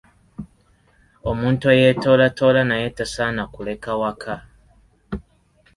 Omuntu eyeetoolatoola naye tasaana kuleka waka.